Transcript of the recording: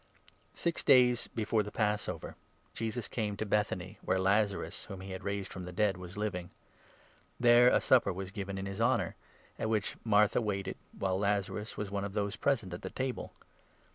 Six days before the Passover Jesus came to i anointed by Bethany, where Lazarus, whom he had raised wary from the dead, was living. There a supper was 2 at Bethany. given \n \i\s honour, at which Martha waited, while Lazarus was one of those present at the table.